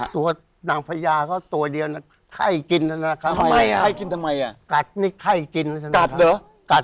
ตัวนางพญาเค้าหัวเนียวน่ะไข้กินแล้วนะค่ะ